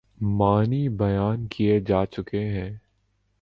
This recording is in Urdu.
معنی بیان کئے جا چکے ہیں۔